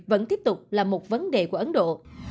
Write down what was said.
vẫn tiếp tục là một vấn đề của ấn độ